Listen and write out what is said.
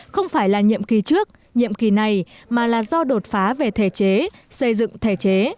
không phải là nhiệm kỳ trước nhiệm kỳ này mà là do đột phá về thể chế xây dựng thể chế